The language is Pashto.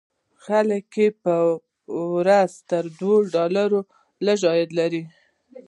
خلک یې په ورځ تر دوو ډالرو لږ عواید لري.